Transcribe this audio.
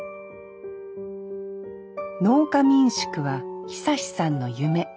農家民宿は久さんの夢。